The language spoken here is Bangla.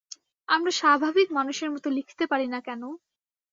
আমরা স্বাভাবিক মানুষের মতো লিখতে পারি না কেন?